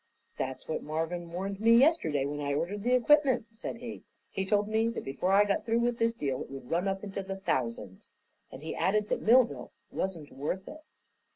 "That's what Marvin warned me yesterday, when I ordered the equipment," said he. "He told me that before I got through with this deal it would run up into the thousands. And he added that Millville wasn't worth it."